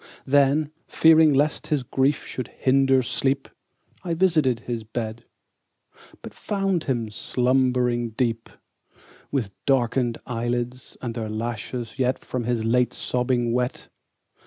Then, fearing lest his grief should hinder sleep, I visited his bed, But found him slumbering deep, With darken'd eyelids, and their lashes yet 10 From his late sobbing wet.